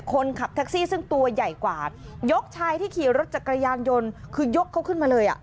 คนขับแท็กซี่ซึ่งตัวใหญ่กว่ายกชายที่ขี่รถจักรยานยนต์คือยกเขาขึ้นมาเลยอ่ะ